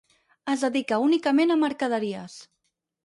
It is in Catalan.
Es dedica únicament a mercaderies.